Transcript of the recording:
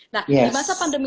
di masa pandemi